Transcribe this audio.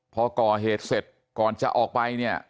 พอก่อเหตุเสร็จก่อนจะออกไปเนี่ย